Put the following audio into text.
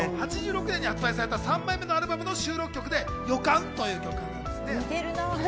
８６年に発売された３枚目のアルバムの収録曲で『予感』という曲です。